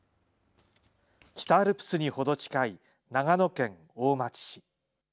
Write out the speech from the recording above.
北アルプスに程近い長野県大町市。